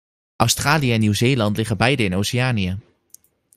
Australië en Nieuw Zeeland liggen beide in Oceanië.